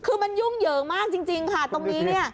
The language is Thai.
คือมันยุ่งเหยิงมากจริงค่ะตรงนี้เนี่ย